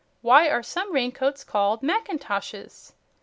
Why are some raincoats called mackintoshes?